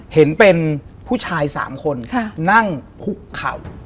เห็นเป็นผู้ชาย๓คนนั่งคุกเข่า